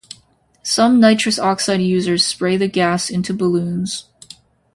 Some nitrous oxide users spray the gas into balloons.